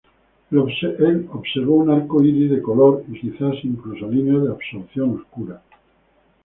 Él observó un arco iris de color y quizás incluso líneas de absorción oscuras.